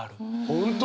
本当？